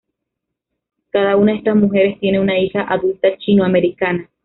Cada una de estas mujeres tiene una hija adulta chino-americana.